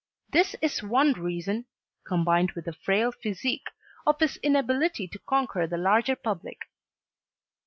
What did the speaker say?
This is one reason, combined with a frail physique, of his inability to conquer the larger public.